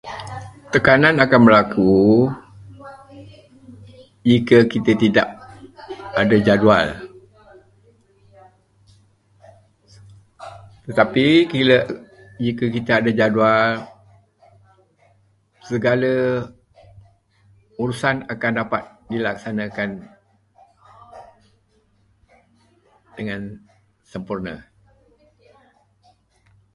Tekanan akan berlaku jika kita tidak ada jadual. Tetapi apabila- jika kita ada jadual, segala urusan akan dapat dilaksanakan dengan sempurna.